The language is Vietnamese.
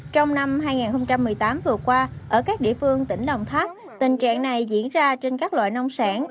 trong năm hai nghìn một mươi tám vừa qua ở các địa phương tỉnh đồng tháp tình trạng này diễn ra trên các loại nông sản